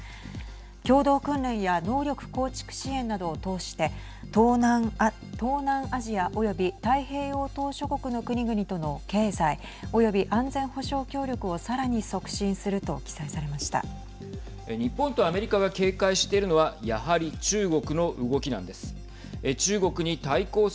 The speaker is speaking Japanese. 共同訓練や能力構築支援などを通して東南アジアおよび太平洋島しょ国の国々との経済および安全保障協力をさらに促進すると日本とアメリカが警戒しているのはやはり、中国の動きなんです。